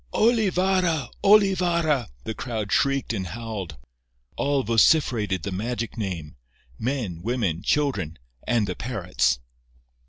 "Olivarra! Olivarra!" the crowd shrieked and howled. All vociferated the magic name—men, women, children and the parrots.